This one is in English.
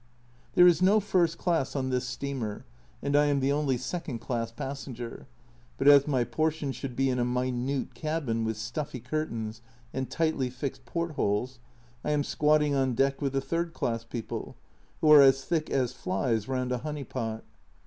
There is no first class on this steamer, and I am the only second class passenger, but as my portion should be in a minute cabin with stuffy curtains and tightly fixed port holes, I am squatting on deck with the third class people, who are as thick as flies round a honey pot.